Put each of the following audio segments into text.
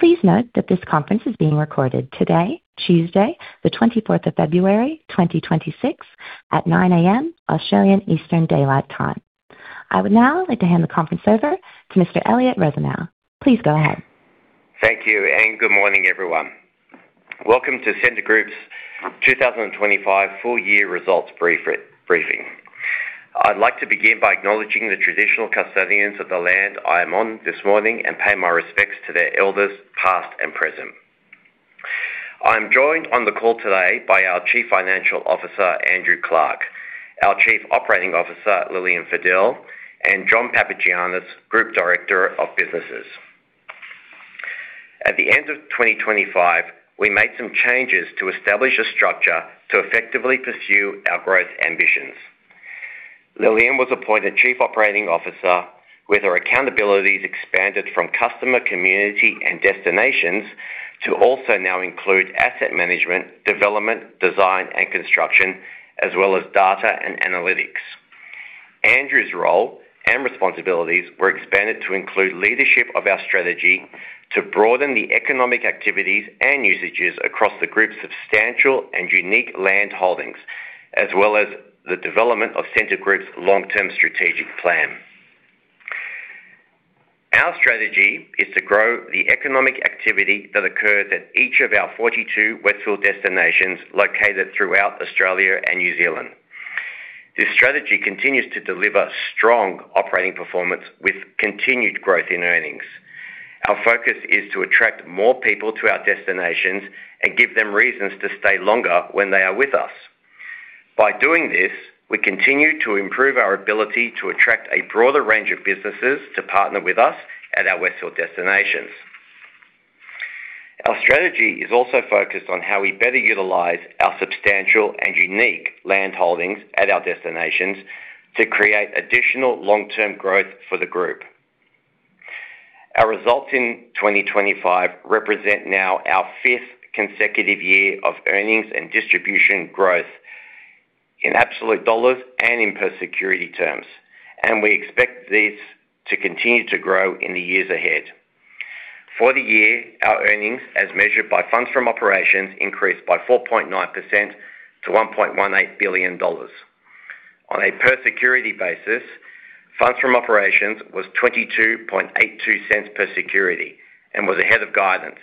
Please note that this conference is being recorded today, Tuesday, the 24th of February, 2026, at 9:00A.M. Australian Eastern Daylight Time. I would now like to hand the conference over to Mr. Elliott Rusanow. Please go ahead. Thank you, and good morning, everyone. Welcome to Scentre Group's 2025 full year results briefing. I'd like to begin by acknowledging the traditional custodians of the land I am on this morning and pay my respects to their elders, past and present. I'm joined on the call today by our Chief Financial Officer, Andrew Clarke, our Chief Operating Officer, Lillian Fadel, and John Papagiannis, Group Director of Businesses. At the end of 2025, we made some changes to establish a structure to effectively pursue our growth ambitions. Lillian was appointed Chief Operating Officer, with her accountabilities expanded from customer, community, and destinations to also now include asset management, development, design, and construction, as well as data and analytics. Andrew's role and responsibilities were expanded to include leadership of our strategy to broaden the economic activities and usages across the group's substantial and unique land holdings, as well as the development of Scentre Group's long-term strategic plan. Our strategy is to grow the economic activity that occurs at each of our 42 Westfield destinations located throughout Australia and New Zealand. This strategy continues to deliver strong operating performance with continued growth in earnings. Our focus is to attract more people to our destinations and give them reasons to stay longer when they are with us. By doing this, we continue to improve our ability to attract a broader range of businesses to partner with us at our Westfield destinations. Our strategy is also focused on how we better utilize our substantial and unique land holdings at our destinations to create additional long-term growth for the group. Our results in 2025 represent now our fifth consecutive year of earnings and distribution growth in absolute dollars and in per security terms. We expect this to continue to grow in the years ahead. For the year, our earnings, as measured by funds from operations, increased by 4.9% to 1.18 billion dollars. On a per security basis, funds from operations was 0.2282 per security and was ahead of guidance.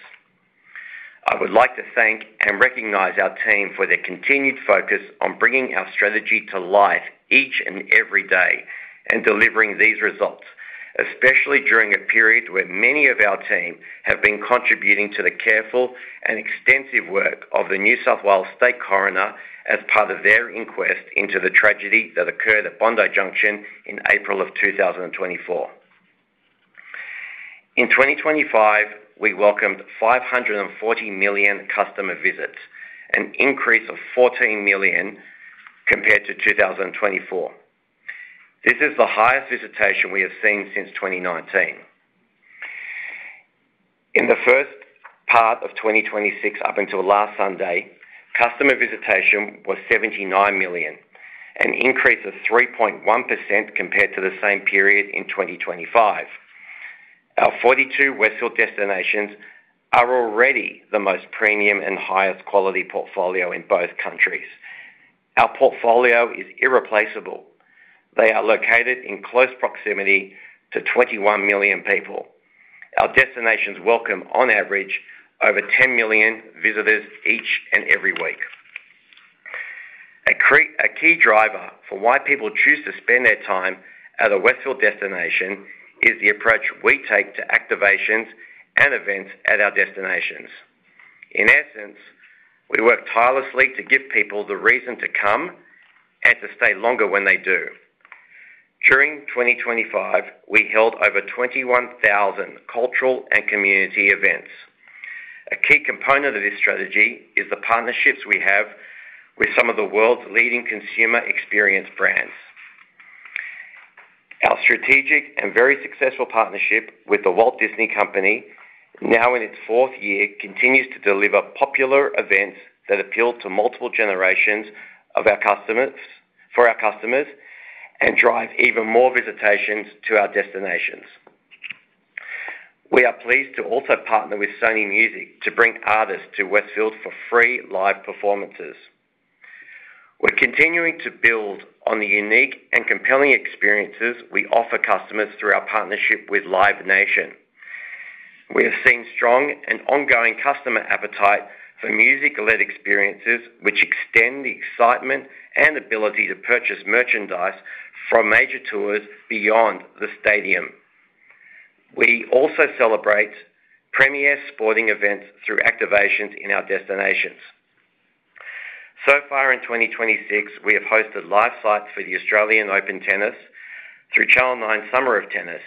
I would like to thank and recognize our team for their continued focus on bringing our strategy to life each and every day in delivering these results, especially during a period where many of our team have been contributing to the careful and extensive work of the New South Wales State Coroner as part of their inquest into the tragedy that occurred at Bondi Junction in April of 2024. 2025, we welcomed 540 million customer visits, an increase of 14 million compared to 2024. This is the highest visitation we have seen since 2019. The first part of 2026, up until last Sunday, customer visitation was 79 million, an increase of 3.1% compared to the same period in 2025. Our 42 Westfield destinations are already the most premium and highest quality portfolio in both countries. Our portfolio is irreplaceable. They are located in close proximity to 21 million people. Our destinations welcome, on average, over 10 million visitors each and every week. A key driver for why people choose to spend their time at a Westfield destination is the approach we take to activations and events at our destinations. In essence, we work tirelessly to give people the reason to come and to stay longer when they do. During 2025, we held over 21,000 cultural and community events. A key component of this strategy is the partnerships we have with some of the world's leading consumer experience brands. Our strategic and very successful partnership with The Walt Disney Company, now in its fourth year, continues to deliver popular events that appeal to multiple generations of our customers for our customers and drive even more visitations to our destinations. We are pleased to also partner with Sony Music to bring artists to Westfield for free live performances. We're continuing to build on the unique and compelling experiences we offer customers through our partnership with Live Nation. We have seen strong and ongoing customer appetite for music-led experiences, which extend the excitement and ability to purchase merchandise from major tours beyond the stadium. Far in 2026, we have hosted live sites for the Australian Open Tennis through Channel Nine's Summer of Tennis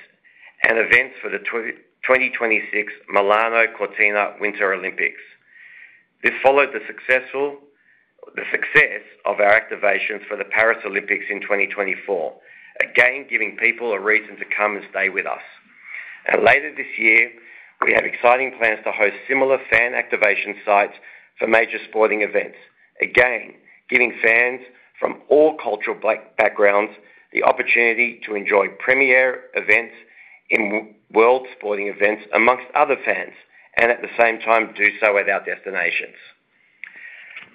and events for the 2026 Milano Cortina Winter Olympics. This followed the success of our activation for the Paris Olympics in 2024, again, giving people a reason to come and stay with us. Later this year, we have exciting plans to host similar fan activation sites for major sporting events. Again, giving fans from all cultural backgrounds the opportunity to enjoy premier events in world sporting events amongst other fans, and at the same time, do so at our destinations.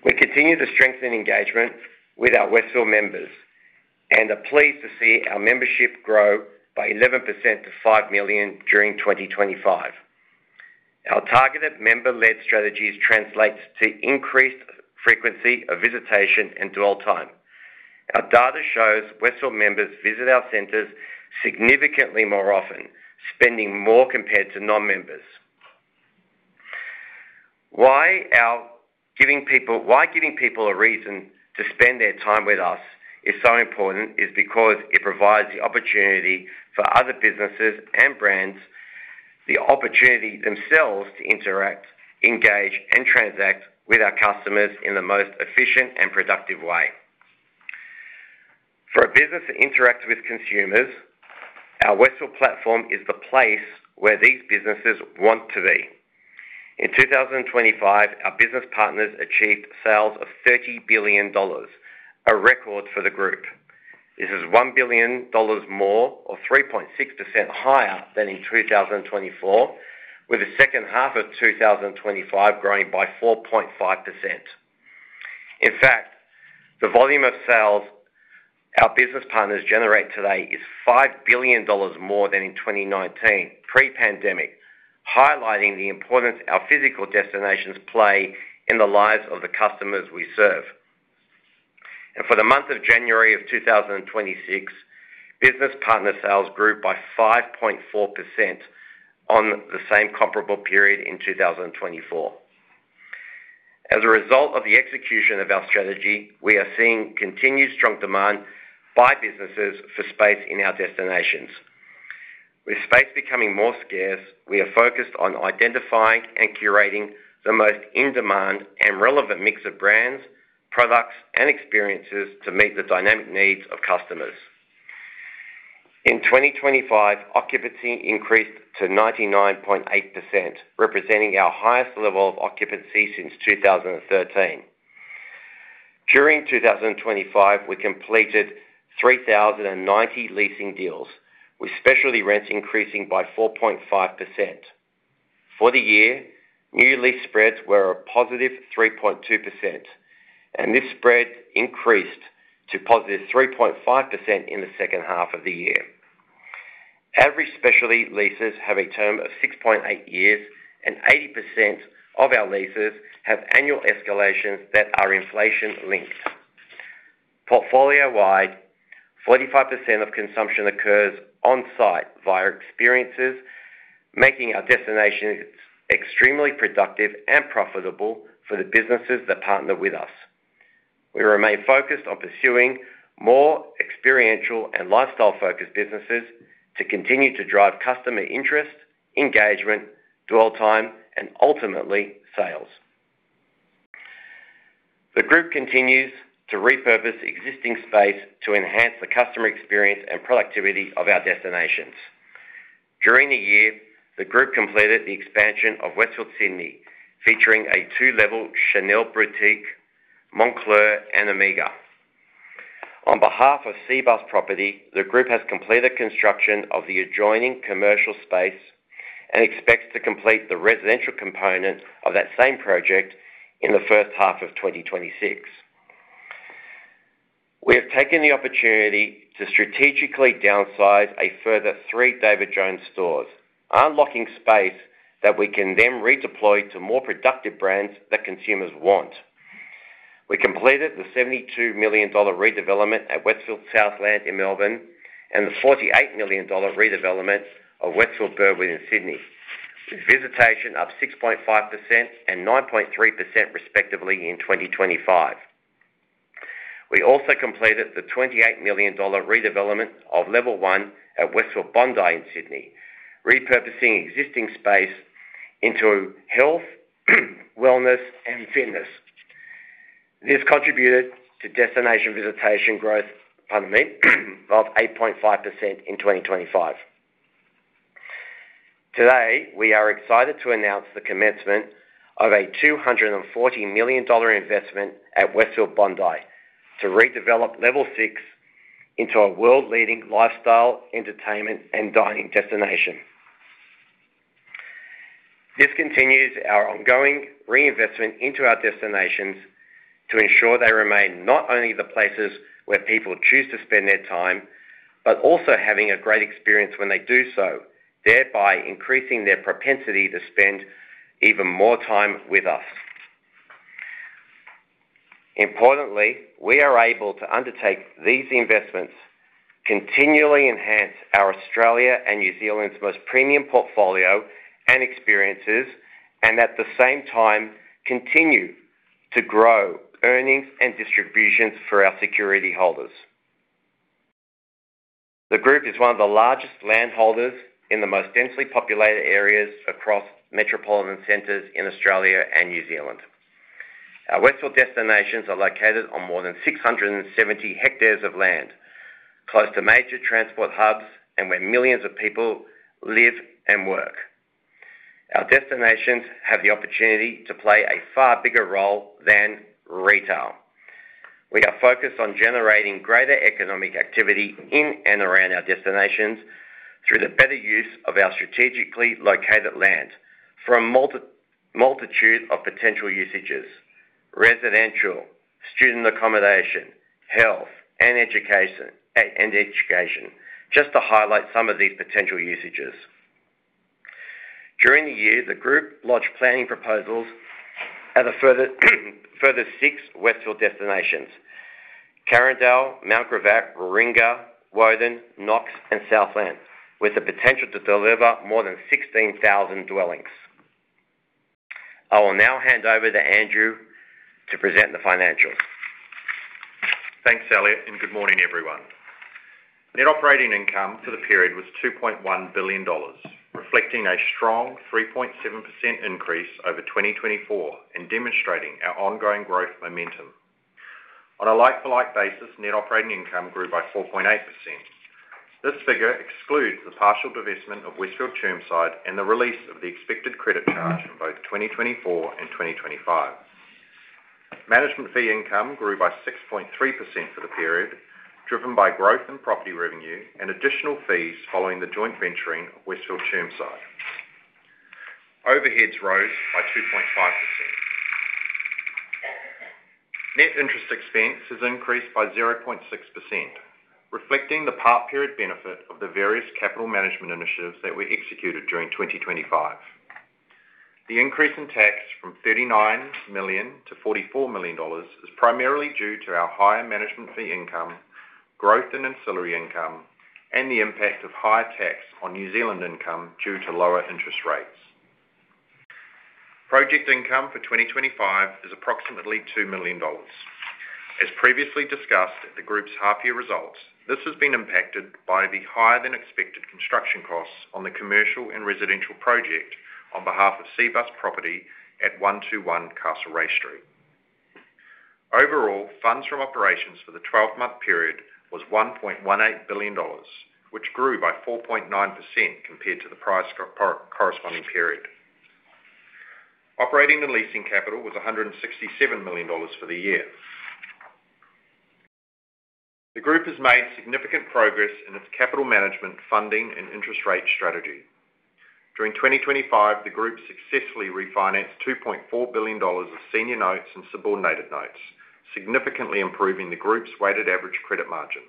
We continue to strengthen engagement with our Westfield members, and are pleased to see our membership grow by 11% to 5 million during 2025. Our targeted member-led strategies translates to increased frequency of visitation and dwell time. Our data shows Westfield members visit our centers significantly more often, spending more compared to non-members. Why giving people a reason to spend their time with us is so important, is because it provides the opportunity for other businesses and brands, the opportunity themselves to interact, engage, and transact with our customers in the most efficient and productive way. For a business that interacts with consumers, our Westfield platform is the place where these businesses want to be. In 2025, our business partners achieved sales of 30 billion dollars, a record for the group. This is 1 billion dollars more or 3.6% higher than in 2024, with the second half of 2025 growing by 4.5%. In fact, the volume of sales our business partners generate today is 5 billion dollars more than in 2019, pre-pandemic, highlighting the importance our physical destinations play in the lives of the customers we serve. For the month of January of 2026, business partner sales grew by 5.4% on the same comparable period in 2024. As a result of the execution of our strategy, we are seeing continued strong demand by businesses for space in our destinations. With space becoming more scarce, we are focused on identifying and curating the most in-demand and relevant mix of brands, products, and experiences to meet the dynamic needs of customers. In 2025, occupancy increased to 99.8%, representing our highest level of occupancy since 2013. During 2025, we completed 3,090 leasing deals, with specialty rents increasing by 4.5%. For the year, new lease spreads were a +3.2%, and this spread increased to +3.5% in the second half of the year. Every specialty leases have a term of 6.8 years, and 80% of our leases have annual escalations that are inflation-linked. Portfolio-wide, 45% of consumption occurs on-site via experiences, making our destinations extremely productive and profitable for the businesses that partner with us. We remain focused on pursuing more experiential and lifestyle-focused businesses to continue to drive customer interest, engagement, dwell time, and ultimately, sales. The group continues to repurpose existing space to enhance the customer experience and productivity of our destinations. During the year, the group completed the expansion of Westfield Sydney, featuring a two-level Chanel boutique, Moncler, and Omega. On behalf of Cbus Property, the group has completed construction of the adjoining commercial space, expects to complete the residential component of that same project in the first half of 2026. We have taken the opportunity to strategically downsize a further three David Jones stores, unlocking space that we can then redeploy to more productive brands that consumers want. We completed the 72 million dollar redevelopment at Westfield Southland in Melbourne, the 48 million dollar redevelopment of Westfield Broadway in Sydney, with visitation up 6.5% and 9.3%, respectively, in 2025. We also completed the 28 million dollar redevelopment of Level One at Westfield Bondi in Sydney, repurposing existing space into health, wellness, and fitness. This contributed to destination visitation growth, pardon me, of 8.5% in 2025. Today, we are excited to announce the commencement of an 240 million dollar investment at Westfield Bondi to redevelop Level 6 into a world-leading lifestyle, entertainment, and dining destination. This continues our ongoing reinvestment into our destinations to ensure they remain not only the places where people choose to spend their time, but also having a great experience when they do so, thereby increasing their propensity to spend even more time with us. Importantly, we are able to undertake these investments, continually enhance our Australia and New Zealand's most premium portfolio and experiences, and at the same time, continue to grow earnings and distributions for our security holders. The group is one of the largest landholders in the most densely populated areas across metropolitan centers in Australia and New Zealand. Our Westfield destinations are located on more than 670 hectares of land, close to major transport hubs, and where millions of people live and work. Our destinations have the opportunity to play a far bigger role than retail. We are focused on generating greater economic activity in and around our destinations through the better use of our strategically located land from multitude of potential usages, residential, student accommodation, health, and education, and education, just to highlight some of these potential usages. During the year, the group launched planning proposals at a further six Westfield destinations: Carindale, Mount Gravatt, Warringah, Woden, Knox, and Southland, with the potential to deliver more than 16,000 dwellings. I will now hand over to Andrew to present the financials. Thanks, Elliott. Good morning, everyone. Net Operating Income for the period was 2.1 billion dollars, reflecting a strong 3.7% increase over 2024 and demonstrating our ongoing growth momentum. On a like-for-like basis, Net Operating Income grew by 4.8%. This figure excludes the partial divestment of Westfield Chermside and the release of the expected credit charge in both 2024 and 2025. Management fee income grew by 6.3% for the period, driven by growth in property revenue and additional fees following the joint venturing of Westfield Chermside. Overheads rose by 2.5%. Net interest expense has increased by 0.6%, reflecting the part-period benefit of the various capital management initiatives that were executed during 2025. The increase in tax from 39 million to 44 million dollars is primarily due to our higher management fee income, growth in ancillary income, and the impact of higher tax on New Zealand income due to lower interest rates. Project income for 2025 is approximately 2 million dollars. As previously discussed, the group's half-year results, this has been impacted by the higher-than-expected construction costs on the commercial and residential project on behalf of Cbus Property at 121 Castlereagh Street. Overall, funds from operations for the 12-month period was 1.18 billion dollars, which grew by 4.9% compared to the prior corresponding period. Operating and leasing capital was 167 million dollars for the year. The group has made significant progress in its capital management, funding, and interest rate strategy. During 2025, the group successfully refinanced AUD 2.4 billion of senior notes and subordinated notes, significantly improving the group's weighted average credit margin.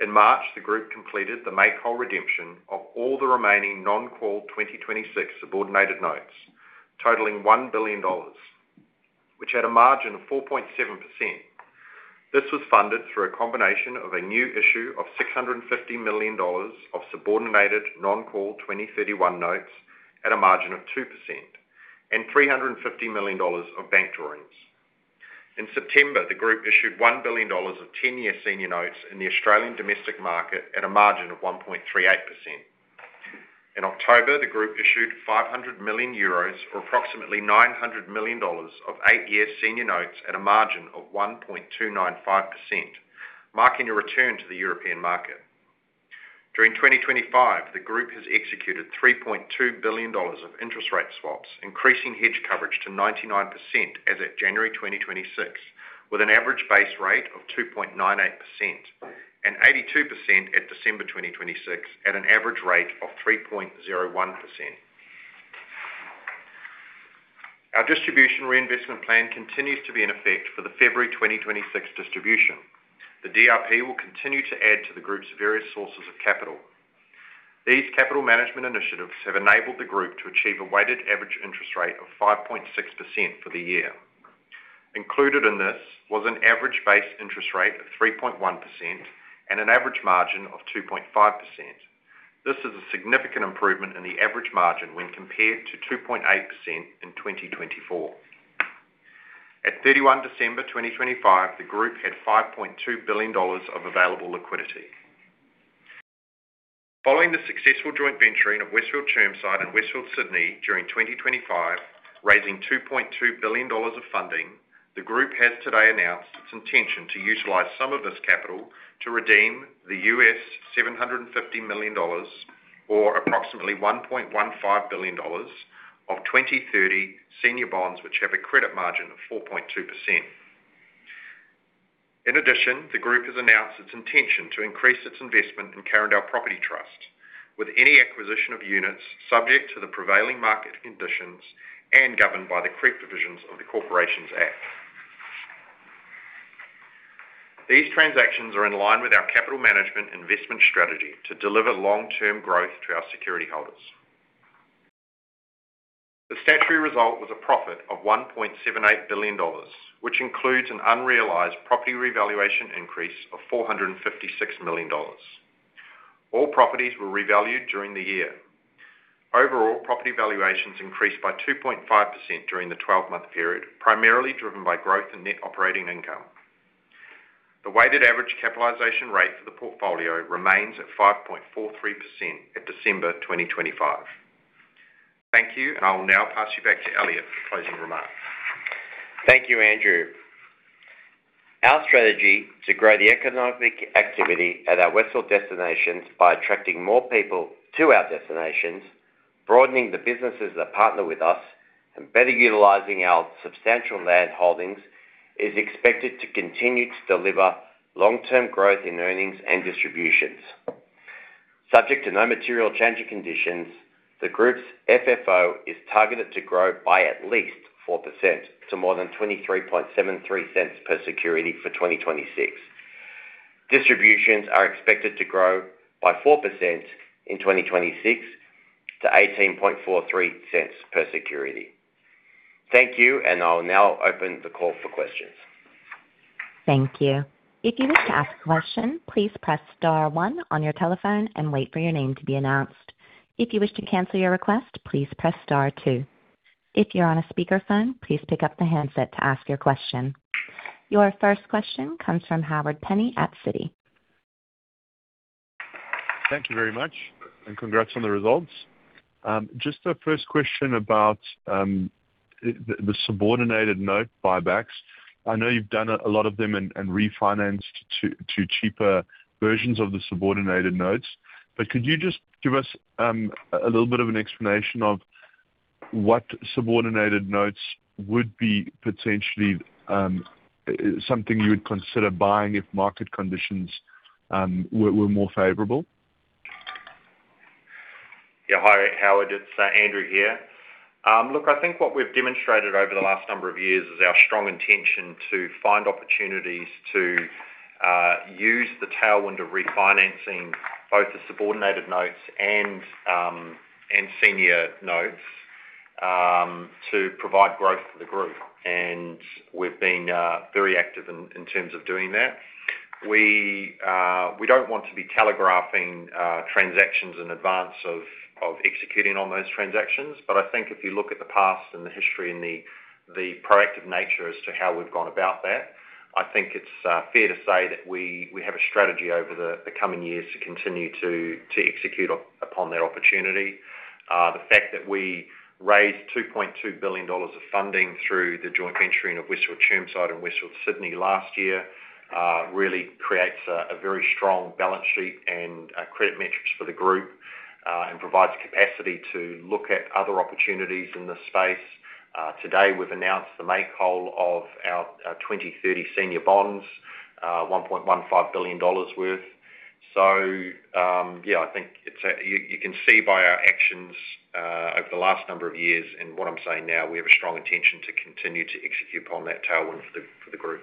In March, the group completed the make-whole redemption of all the remaining non-call 2026 subordinated notes, totaling 1 billion dollars, which had a margin of 4.7%. This was funded through a combination of a new issue of 650 million dollars of subordinated non-call 2031 notes at a margin of 2% and 350 million dollars of bank drawings. In September, the group issued 1 billion dollars of 10-year senior notes in the Australian domestic market at a margin of 1.38%. In October, the group issued 500 million euros, or approximately $900 million, of 8-year senior notes at a margin of 1.295%, marking a return to the European market. During 2025, the group has executed $3.2 billion of interest rate swaps, increasing hedge coverage to 99% as at January 2026, with an average base rate of 2.98% and 82% at December 2026, at an average rate of 3.01%. Our distribution reinvestment plan continues to be in effect for the February 2026 distribution. The DRP will continue to add to the group's various sources of capital. These capital management initiatives have enabled the group to achieve a weighted average interest rate of 5.6% for the year. Included in this was an average base interest rate of 3.1% and an average margin of 2.5%. This is a significant improvement in the average margin when compared to 2.8% in 2024. At 31 December 2025, the group had 5.2 billion dollars of available liquidity. Following the successful joint venturing of Westfield Chermside and Westfield Sydney during 2025, raising 2.2 billion dollars of funding, the group has today announced its intention to utilize some of this capital to redeem the $750 million, or approximately 1.15 billion dollars, of 2030 senior bonds, which have a credit margin of 4.2%. The group has announced its intention to increase its investment in Carindale Property Trust, with any acquisition of units subject to the prevailing market conditions and governed by the creep provisions of the Corporations Act. These transactions are in line with our capital management investment strategy to deliver long-term growth to our security holders. The statutory result was a profit of 1.78 billion dollars, which includes an unrealized property revaluation increase of 456 million dollars. All properties were revalued during the year. Overall, property valuations increased by 2.5% during the 12-month period, primarily driven by growth in net operating income. The weighted average capitalization rate for the portfolio remains at 5.43% at December 2025. Thank you, and I will now pass. Thank you, Andrew. Our strategy to grow the economic activity at our Westfield destinations by attracting more people to our destinations, broadening the businesses that partner with us, and better utilizing our substantial land holdings, is expected to continue to deliver long-term growth in earnings and distributions. Subject to no material change in conditions, the group's FFO is targeted to grow by at least 4% to more than 0.2373 per security for 2026. Distributions are expected to grow by 4% in 2026 to 0.1843 per security. Thank you. I'll now open the call for questions. Thank you. If you wish to ask a question, please press star one on your telephone and wait for your name to be announced. If you wish to cancel your request, please press star two. If you're on a speakerphone, please pick up the handset to ask your question. Your first question comes from Howard Penny at Citigroup. Thank you very much, congrats on the results. Just a first question about the subordinated note buybacks. I know you've done a lot of them and refinanced to cheaper versions of the subordinated notes, but could you just give us a little bit of an explanation of what subordinated notes would be potentially something you would consider buying if market conditions were more favorable? Yeah. Hi, Howard, it's Andrew here. Look, I think what we've demonstrated over the last number of years is our strong intention to find opportunities to use the tailwind of refinancing both the subordinated notes and senior notes to provide growth for the group. We've been very active in, in terms of doing that. We don't want to be telegraphing transactions in advance of executing on those transactions. I think if you look at the past and the history and the proactive nature as to how we've gone about that, I think it's fair to say that we have a strategy over the coming years to continue to execute upon that opportunity. The fact that we raised 2.2 billion dollars of funding through the joint venturing of Westfield Chermside and Westfield Sydney last year, really creates a very strong balance sheet and credit metrics for the group and provides capacity to look at other opportunities in this space. Today, we've announced the make-whole of our 2030 senior bonds, 1.15 billion dollars worth. Yeah, I think you, you can see by our actions over the last number of years and what I'm saying now, we have a strong intention to continue to execute upon that tailwind for the, for the group.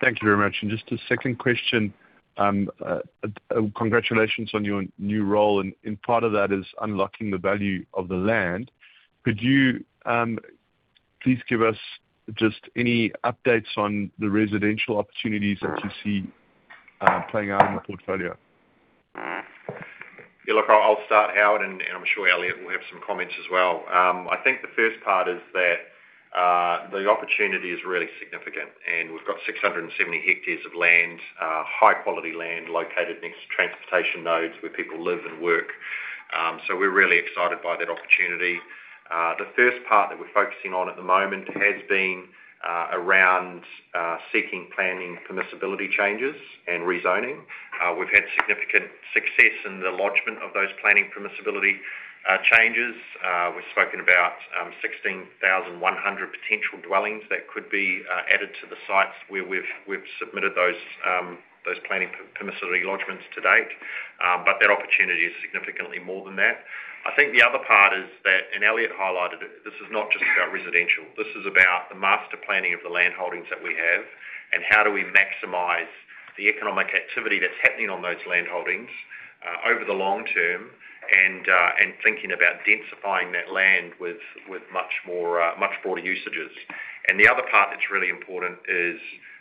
Thank you very much. Just a second question. Congratulations on your new role, and, and part of that is unlocking the value of the land. Could you please give us just any updates on the residential opportunities that you see playing out in the portfolio? Yeah, look, I'll, I'll start, Howard, and, and I'm sure Elliott will have some comments as well. I think the first part is that the opportunity is really significant, and we've got 670 hectares of land, high quality land located next to transportation nodes where people live and work. We're really excited by that opportunity. The first part that we're focusing on at the moment has been around seeking planning, permissibility changes and rezoning. We've had significant success in the lodgment of those planning permissibility changes. We've spoken about 16,100 potential dwellings that could be added to the sites where we've, we've submitted those, those planning per- permissibility lodgments to date. That opportunity is significantly more than that. I think the other part is that, and Elliott highlighted it, this is not just about residential. This is about the master planning of the land holdings that we have, and how do we maximize the economic activity that's happening on those land holdings over the long term, and thinking about densifying that land with, with much more, much broader usages. The other part that's really important is,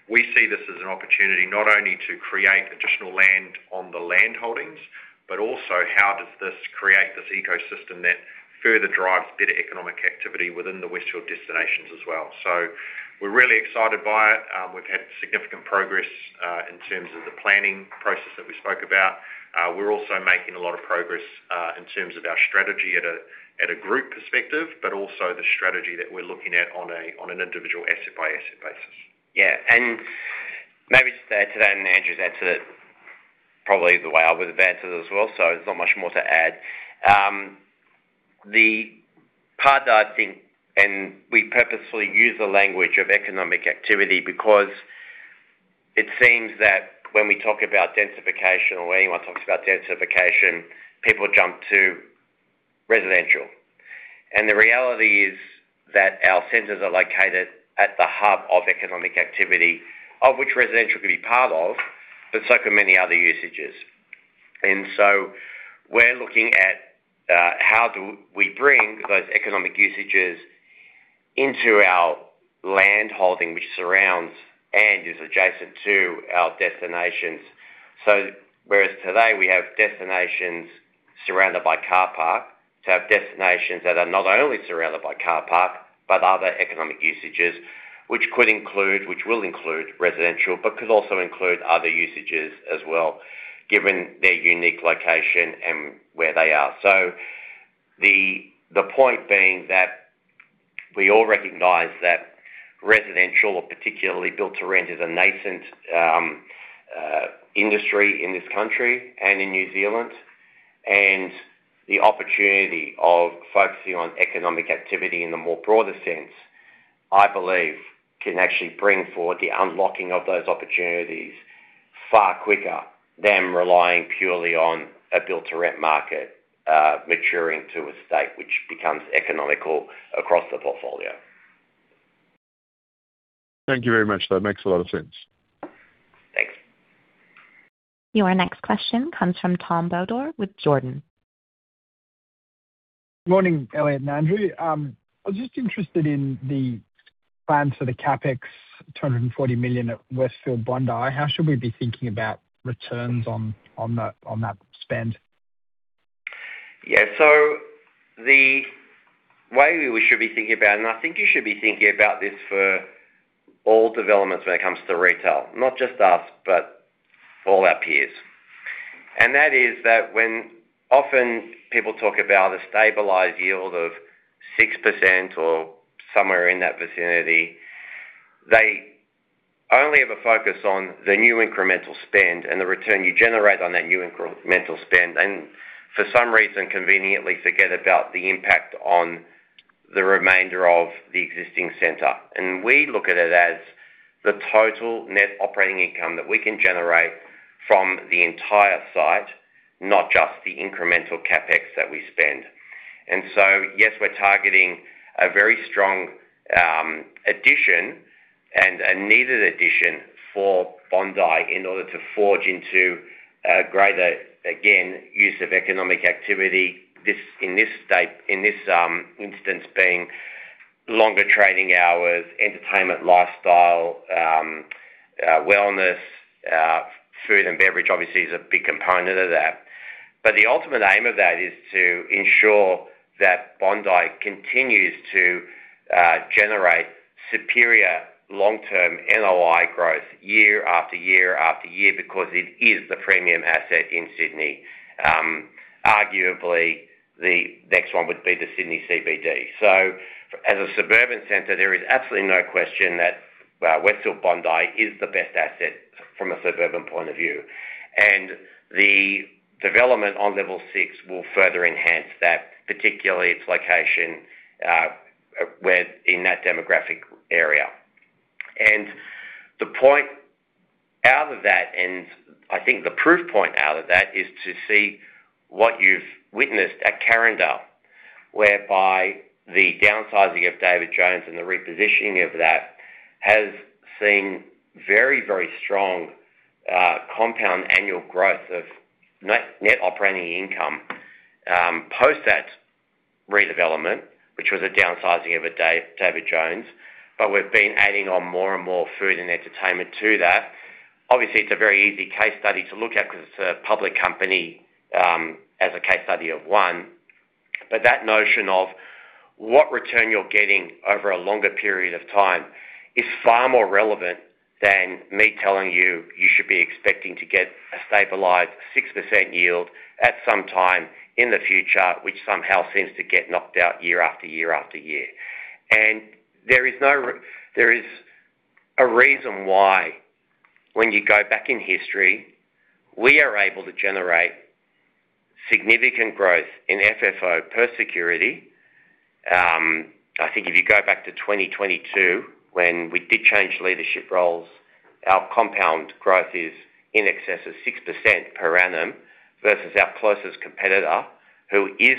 we see this as an opportunity not only to create additional land on the land holdings, but also how does this create this ecosystem that further drives better economic activity within the Westfield destinations as well? We're really excited by it. We've had significant progress in terms of the planning process that we spoke about. We're also making a lot of progress, in terms of our strategy at a group perspective, but also the strategy that we're looking at on an individual asset-by-asset basis. Yeah, and maybe just to add to that, and Andrew's answer, probably the way I would answer it as well, so there's not much more to add. The part that I think, and we purposefully use the language of economic activity, because it seems that when we talk about densification or anyone talks about densification, people jump to residential. The reality is that our centers are located at the hub of economic activity, of which residential can be part of, but so can many other usages. We're looking at how do we bring those economic usages into our land holding, which surrounds and is adjacent to our destinations. Whereas today we have destinations surrounded by car park, to have destinations that are not only surrounded by car park, but other economic usages.... which could include, which will include residential, but could also include other usages as well, given their unique location and where they are. The point being that we all recognize that residential, or particularly build-to-rent, is a nascent industry in this country and in New Zealand. The opportunity of focusing on economic activity in the more broader sense, I believe, can actually bring forward the unlocking of those opportunities far quicker than relying purely on a build-to-rent market, maturing to a state which becomes economical across the portfolio. Thank you very much. That makes a lot of sense. Thanks. Your next question comes from Tom Bodor with Jarden. Morning, Elliott and Andrew. I was just interested in the plan for the CapEx, 240 million at Westfield Bondi. How should we be thinking about returns on that spend? The way we should be thinking about, and I think you should be thinking about this for all developments when it comes to retail, not just us, but all our peers. That is that when often people talk about a stabilized yield of 6% or somewhere in that vicinity, they only ever focus on the new incremental spend and the return you generate on that new incremental spend, and for some reason, conveniently forget about the impact on the remainder of the existing center. We look at it as the total net operating income that we can generate from the entire site, not just the incremental CapEx that we spend. Yes, we're targeting a very strong addition, and a needed addition for Bondi in order to forge into a greater, again, use of economic activity. In this instance, being longer trading hours, entertainment, lifestyle, wellness, food and beverage, obviously, is a big component of that. The ultimate aim of that is to ensure that Bondi continues to generate superior long-term NOI growth year after year after year, because it is the premium asset in Sydney. Arguably, the next one would be the Sydney CBD. As a suburban center, there is absolutely no question that Westfield Bondi is the best asset from a suburban point of view. The development on level six will further enhance that, particularly its location, where in that demographic area. The point out of that, and I think the proof point out of that, is to see what you've witnessed at Carindale, whereby the downsizing of David Jones and the repositioning of that has seen very, very strong, compound annual growth of net operating income, post that redevelopment, which was a downsizing of a David Jones. We've been adding on more and more food and entertainment to that. Obviously, it's a very easy case study to look at because it's a public company, as a case study of one. That notion of what return you're getting over a longer period of time is far more relevant than me telling you, you should be expecting to get a stabilized 6% yield at some time in the future, which somehow seems to get knocked out year after year after year. There is no there is a reason why, when you go back in history, we are able to generate significant growth in FFO per security. I think if you go back to 2022, when we did change leadership roles, our compound growth is in excess of 6% per annum, versus our closest competitor, who is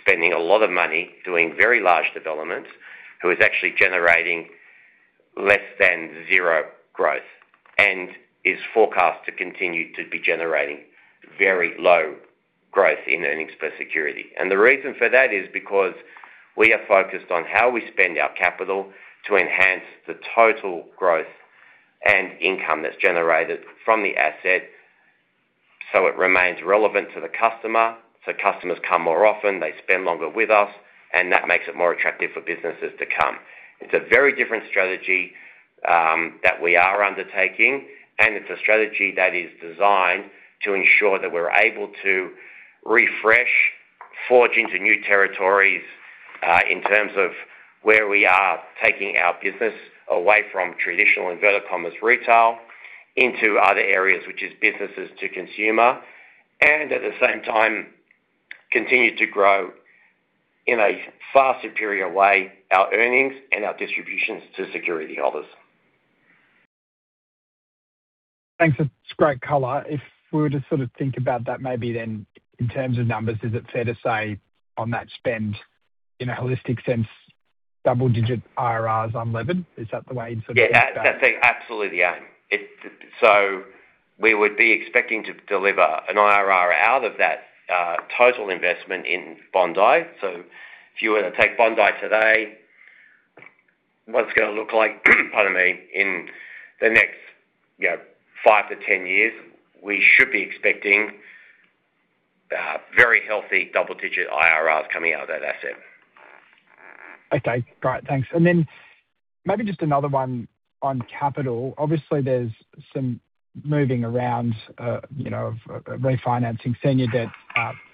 spending a lot of money doing very large developments, who is actually generating less than 0 growth, and is forecast to continue to be generating very low growth in earnings per security. The reason for that is because we are focused on how we spend our capital to enhance the total growth and income that's generated from the asset, so it remains relevant to the customer. Customers come more often, they spend longer with us, and that makes it more attractive for businesses to come. It's a very different strategy, that we are undertaking, and it's a strategy that is designed to ensure that we're able to refresh, forge into new territories, in terms of where we are taking our business away from traditional, and vertical commerce, retail into other areas, which is businesses to consumer, and at the same time, continue to grow in a far superior way, our earnings and our distributions to security holders. Thanks for the great color. If we were to sort of think about that, maybe then in terms of numbers, is it fair to say, on that spend, in a holistic sense, double-digit IRRs unlevered? Is that the way you'd sort of think about it? Yeah, that's, that's absolutely the aim. We would be expecting to deliver an IRR out of that, total investment in Bondi. If you were to take Bondi today, what it's gonna look like, pardon me, in the next, you know, 5-10 years, we should be expecting-... healthy double-digit IRRs coming out of that asset. Okay, great. Thanks. Maybe just another one on capital. Obviously, there's some moving around, you know, of refinancing senior debt,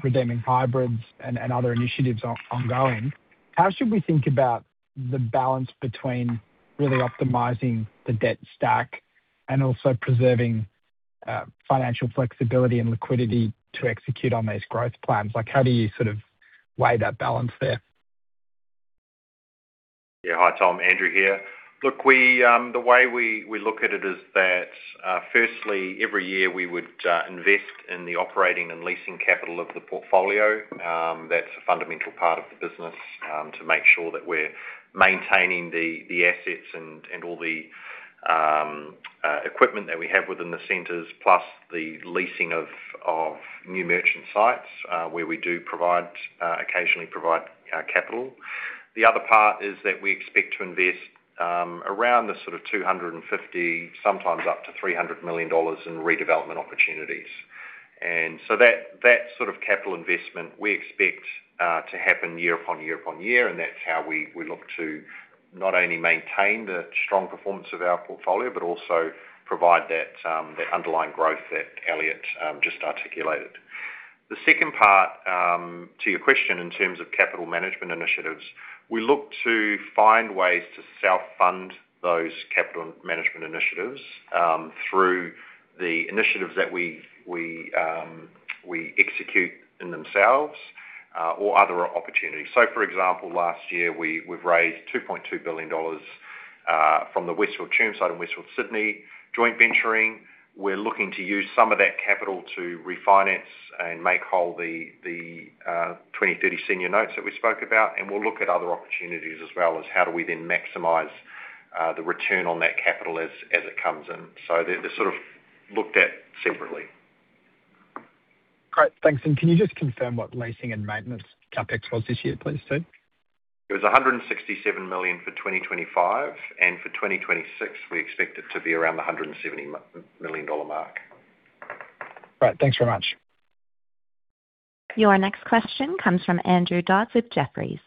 redeeming hybrids and other initiatives ongoing. How should we think about the balance between really optimizing the debt stack and also preserving financial flexibility and liquidity to execute on these growth plans? Like, how do you sort of weigh that balance there? Yeah. Hi, Tom. Andrew here. Look, we, the way we, we look at it is that, firstly, every year we would invest in the operating and leasing capital of the portfolio. That's a fundamental part of the business to make sure that we're maintaining the, the assets and, and all the equipment that we have within the centers, plus the leasing of, of new merchant sites, where we do provide occasionally provide capital. The other part is that we expect to invest around the sort of 250 million, sometimes up to 300 million dollars in redevelopment opportunities. So that, that sort of capital investment, we expect to happen year upon year upon year, and that's how we look to not only maintain the strong performance of our portfolio, but also provide that underlying growth that Elliott just articulated. The second part to your question, in terms of capital management initiatives, we look to find ways to self-fund those capital management initiatives through the initiatives that we execute in themselves or other opportunities. For example, last year, we've raised 2.2 billion dollars from the Westfield Chermside and Westfield Sydney joint venturing. We're looking to use some of that capital to refinance and make whole the 2030 senior notes that we spoke about, and we'll look at other opportunities as well as how do we then maximize the return on that capital as, as it comes in. They're, they're sort of looked at separately. Great, thanks. Can you just confirm what leasing and maintenance CapEx was this year, please, too? It was 167 million for 2025, and for 2026, we expect it to be around the 170 million dollar mark. Great. Thanks very much. Your next question comes from Andrew Dodds with Jefferies.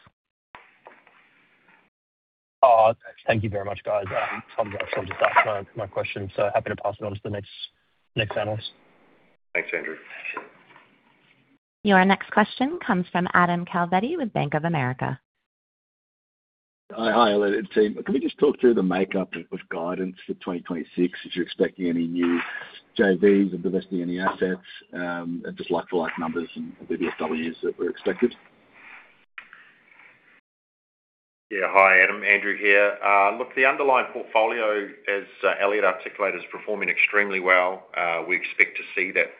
Thank you very much, guys. Tom, that's my, my question, so happy to pass it on to the next, next analyst. Thanks, Andrew. Your next question comes from Adam Calvetti with Bank of America. Hi, hi, Elliott team. Can we just talk through the makeup of, of guidance for 2026? Are you expecting any new JVs and divesting any assets, and just like-for-like numbers and BBWs that were expected? Yeah. Hi, Adam, Andrew here. Look, the underlying portfolio, as Elliott articulated, is performing extremely well. We expect to see that that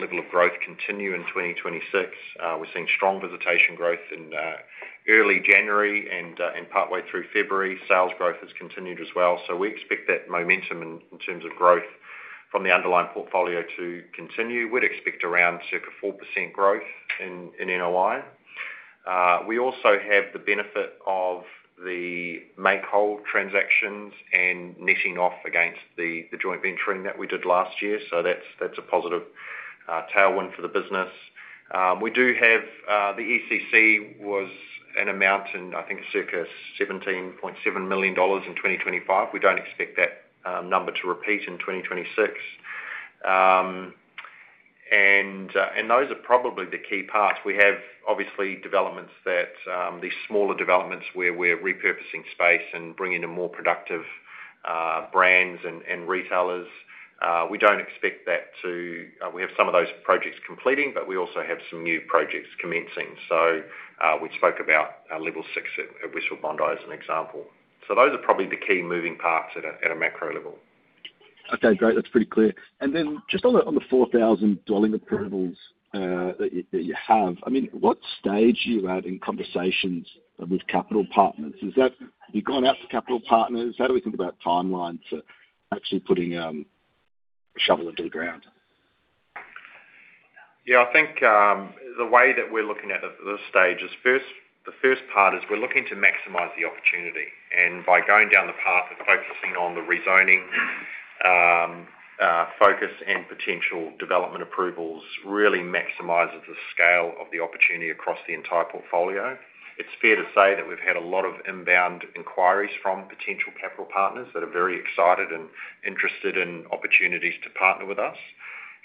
level of growth continue in 2026. We're seeing strong visitation growth in early January and partway through February. Sales growth has continued as well, so we expect that momentum in terms of growth from the underlying portfolio to continue. We'd expect around circa 4% growth in NOI. We also have the benefit of the make-whole transactions and netting off against the joint venturing that we did last year, so that's a positive tailwind for the business. We do have the ECC was an amount in, I think, circa $17.7 million in 2025. We don't expect that number to repeat in 2026. Those are probably the key parts. We have, obviously, developments that, these smaller developments where we're repurposing space and bringing in more productive, brands and retailers. We don't expect that to... We have some of those projects completing, but we also have some new projects commencing. We spoke about our Level 6 at, at Westfield Bondi, as an example. Those are probably the key moving parts at a, at a macro level. Okay, great. That's pretty clear. Then just on the, on the 4,000 dwelling approvals, that you, that you have, I mean, what stage are you at in conversations with capital partners? Is that you've gone out to capital partners? How do we think about timelines for actually putting a shovel into the ground? Yeah, I think, the way that we're looking at it at this stage is the first part is we're looking to maximize the opportunity, and by going down the path of focusing on the rezoning, focus and potential development approvals, really maximizes the scale of the opportunity across the entire portfolio. It's fair to say that we've had a lot of inbound inquiries from potential capital partners that are very excited and interested in opportunities to partner with us.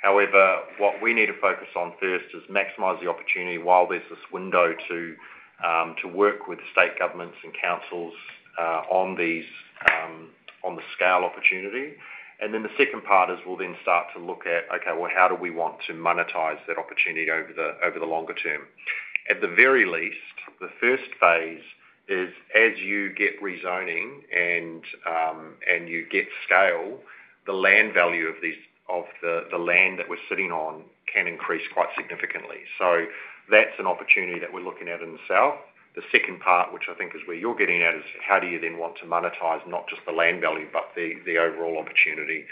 However, what we need to focus on first is maximize the opportunity while there's this window to to work with state governments and councils on these on the scale opportunity. Then the second part is we'll then start to look at, okay, well, how do we want to monetize that opportunity over the over the longer term? At the very least, the first phase is, as you get rezoning and, and you get scale, the land value of these, of the, the land that we're sitting on can increase quite significantly. That's an opportunity that we're looking at in itself. The second part, which I think is where you're getting at, is how do you then want to monetize not just the land value, but the, the overall opportunity?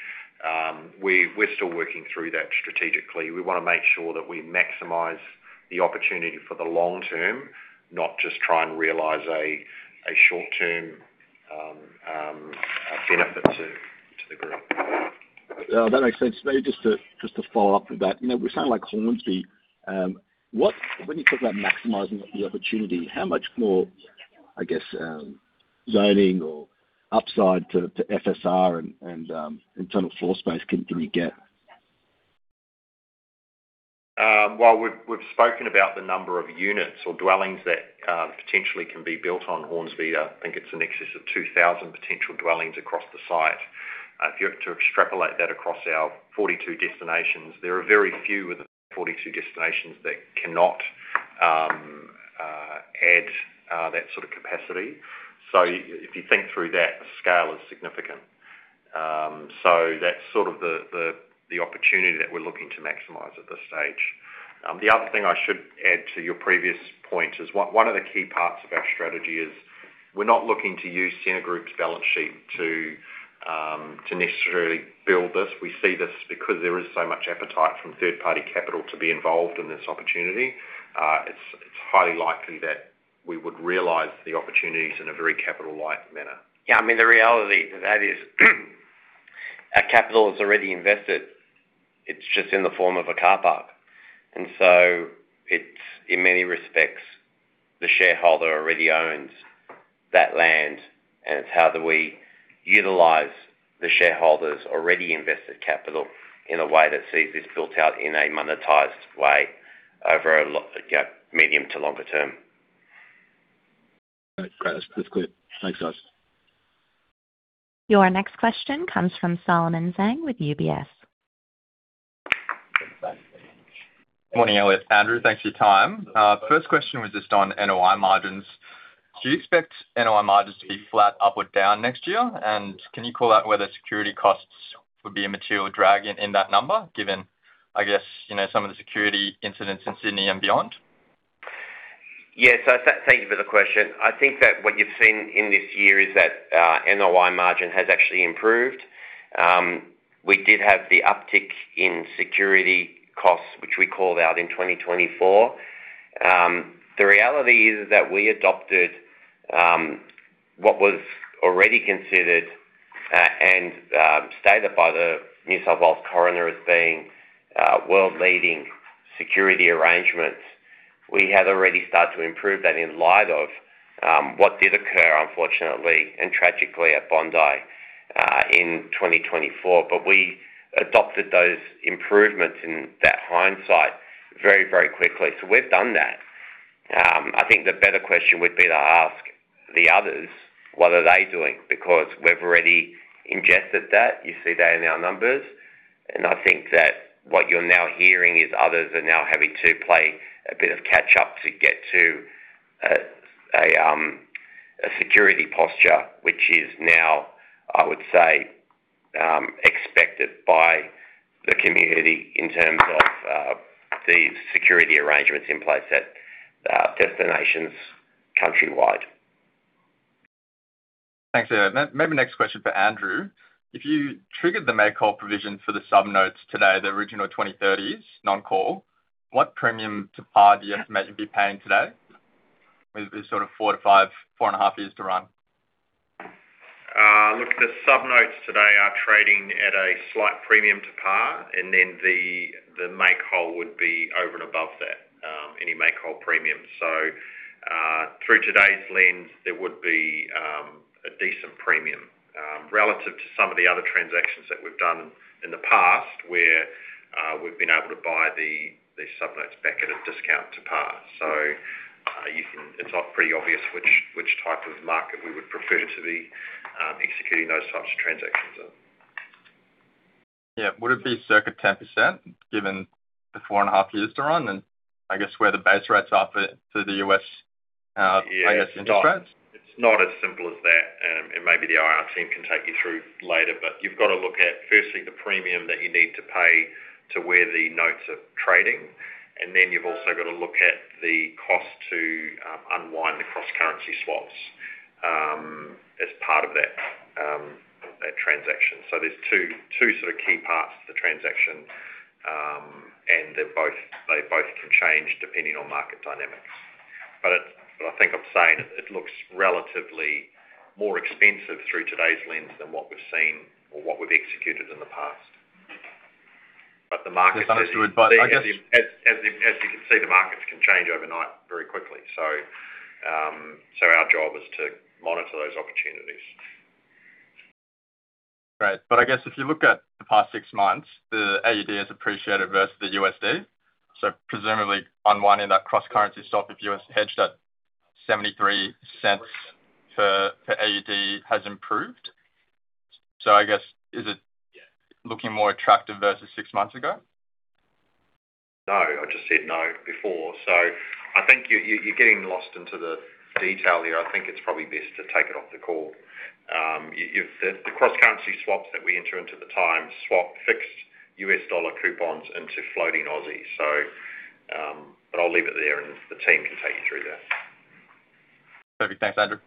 We, we're still working through that strategically. We wanna make sure that we maximize the opportunity for the long term, not just try and realize a, a short-term benefit. That makes sense. Maybe just to, just to follow up with that, you know, we're saying like Hornsby, when you talk about maximizing the opportunity, how much more, I guess, zoning or upside to, to FSR and, and, internal floor space can, can you get? Well, we've, we've spoken about the number of units or dwellings that potentially can be built on Hornsby. I think it's in excess of 2,000 potential dwellings across the site. If you were to extrapolate that across our 42 destinations, there are very few of the 42 destinations that cannot add that sort of capacity. If you think through that, the scale is significant. That's sort of the, the, the opportunity that we're looking to maximize at this stage. The other thing I should add to your previous point is one, one of the key parts of our strategy is we're not looking to use Scentre Group's balance sheet to necessarily build this. We see this because there is so much appetite from third-party capital to be involved in this opportunity. it's, it's highly likely that we would realize the opportunities in a very capital-light manner. Yeah, I mean, the reality of that is, our capital is already invested. It's just in the form of a car park. So it's in many respects, the shareholder already owns that land, and it's how do we utilize the shareholder's already invested capital in a way that sees this built out in a monetized way over a yeah, medium to longer term. Great. That's, that's great. Thanks, guys. Your next question comes from Solomon Zhang with UBS. Good morning, Elliott Rusanow. Andrew Clarke, thanks for your time. First question was just on NOI margins. Do you expect NOI margins to be flat, up, or down next year? Can you call out whether security costs would be a material drag in, in that number, given, I guess, you know, some of the security incidents in Sydney and beyond? Yes, thank you for the question. I think that what you've seen in this year is that NOI margin has actually improved. We did have the uptick in security costs, which we called out in 2024. The reality is that we adopted what was already considered and stated by the New South Wales State Coroner as being world-leading security arrangements. We had already started to improve that in light of what did occur, unfortunately and tragically, at Bondi Junction in 2024. We adopted those improvements in that hindsight very, very quickly. We've done that. I think the better question would be to ask the others, what are they doing? Because we've already ingested that. You see that in our numbers and I think that what you're now hearing is others are now having to play a bit of catch up to get to a security posture, which is now, I would say, expected by the community in terms of the security arrangements in place at destinations countrywide. Thanks for that. Maybe next question for Andrew. If you triggered the make-whole provision for the sub-notes today, the original 2030s non-call, what premium to par do you estimate you'd be paying today with sort of 4 and a half years to run? Look, the sub-notes today are trading at a slight premium to par, and then the make-whole would be over and above that, any make-whole premium. Through today's lens, there would be a decent premium relative to some of the other transactions that we've done in the past, where we've been able to buy the sub-notes back at a discount to par. It's not pretty obvious which type of market we would prefer to be executing those types of transactions in. Yeah. Would it be circa 10%, given the 4.5 years to run, and I guess where the base rates are for, for the U.S., I guess, interest rates? It's not, it's not as simple as that. Maybe the IR team can take you through later, but you've got to look at, firstly, the premium that you need to pay to where the notes are trading, and then you've also got to look at the cost to unwind the cross-currency swaps as part of that, that transaction. There's two, two sort of key parts to the transaction, and they both can change depending on market dynamics. What I think I'm saying, it looks relatively more expensive through today's lens than what we've seen or what we've executed in the past. The market- That's understood, but I guess- As, as you, as you can see, the markets can change overnight very quickly. Our job is to monitor those opportunities. Great. I guess if you look at the past 6 months, the AUD has appreciated versus the USD, presumably unwinding that cross-currency swap, if you hedged at 0.73 per AUD has improved. I guess, is it looking more attractive versus 6 months ago? No, I just said no before. I think you're, you're, you're getting lost into the detail here. I think it's probably best to take it off the call. The cross-currency swaps that we enter into the time, swap fixed US dollar coupons into floating Aussie. I'll leave it there, and the team can take you through that. Perfect. Thanks, Andrew.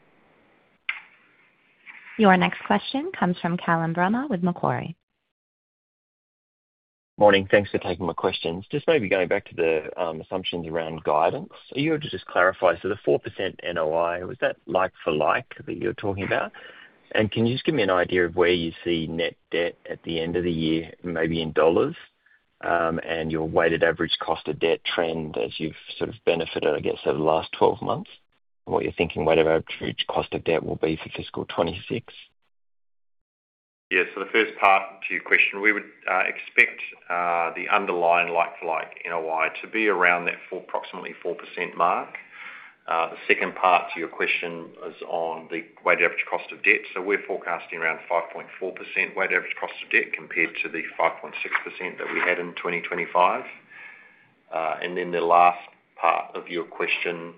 Your next question comes from Callum Bramah with Macquarie. Morning. Thanks for taking my questions. Just maybe going back to the assumptions around guidance. Are you able to just clarify, so the 4% NOI, was that like-for-like that you're talking about? Can you just give me an idea of where you see net debt at the end of the year, maybe in AUD, and your weighted average cost of debt trend as you've sort of benefited, I guess, over the last 12 months, and what you're thinking weighted average cost of debt will be for fiscal 2026? Yeah. The first part to your question, we would expect the underlying like-for-like NOI to be around that approximately 4% mark. The second part to your question is on the weighted average cost of debt. We're forecasting around 5.4% weighted average cost of debt, compared to the 5.6% that we had in 2025. Then the last part of your question,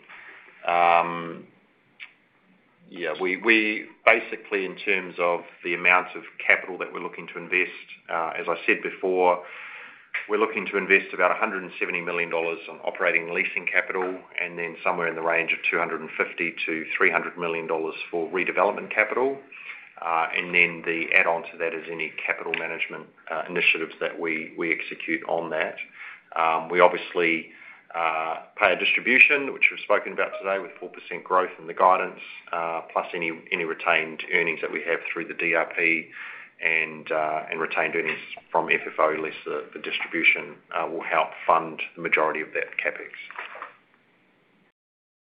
yeah, we basically, in terms of the amount of capital that we're looking to invest, as I said before, we're looking to invest about 170 million dollars on operating leasing capital, and then somewhere in the range of 250 million-300 million dollars for redevelopment capital. Then the add-on to that is any capital management initiatives that we, we execute on that. We obviously pay a distribution, which we've spoken about today, with 4% growth in the guidance, plus any, any retained earnings that we have through the DRP and retained earnings from FFO less the, the distribution, will help fund the majority of that CapEx.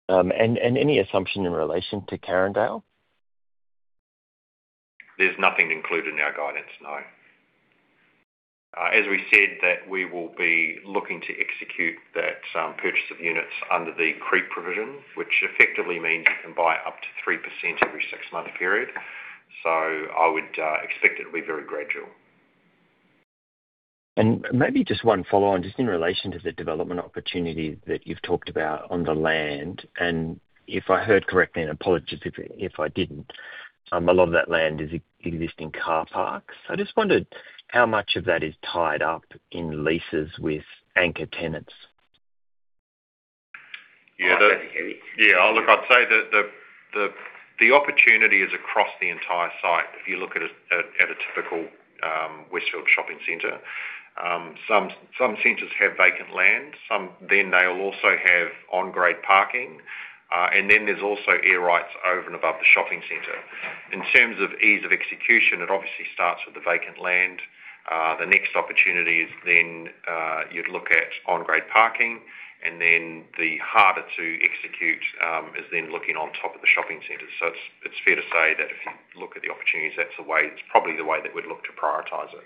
Any assumption in relation to Carindale? There's nothing included in our guidance, no. As we said, that we will be looking to execute that, purchase of units under the creep provisions, which effectively means you can buy up to 3% every six-month period. I would expect it to be very gradual. Maybe just one follow-on, just in relation to the development opportunity that you've talked about on the land, and if I heard correctly, and apologies if, if I didn't, a lot of that land is existing car parks. I just wondered how much of that is tied up in leases with anchor tenants? Yeah. I can't hear you. Yeah. Look, I'd say that the, the, the opportunity is across the entire site if you look at a, at, at a typical, Westfield shopping center. Some, some centers have vacant land, some, then they'll also have on-grade parking, and then there's also air rights over and above the shopping center. In terms of ease of execution, it obviously starts with the vacant land. The next opportunity is then, you'd look at on-grade parking, and then the harder to execute, is then looking on top of the shopping center. So it's, it's fair to say that if you look at the opportunities, that's the way. It's probably the way that we'd look to prioritize it.